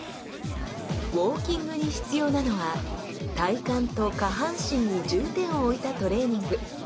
ウォーキングに必要なのは体幹と下半身に重点を置いたトレーニング。